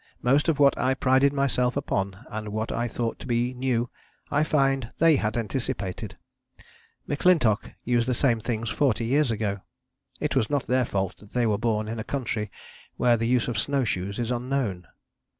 Most of what I prided myself upon, and what I thought to be new, I find they had anticipated. M'Clintock used the same things forty years ago. It was not their fault that they were born in a country where the use of snowshoes is unknown...."